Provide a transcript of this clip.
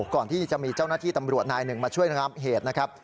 ก่อนที่จะมีเจ้าหน้าที่ตำรวจนายหนึ่งมาช่วยระงับเหตุนะครับ